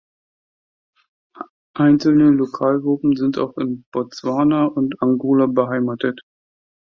Einzelne Lokalgruppen sind auch in Botswana und Angola beheimatet.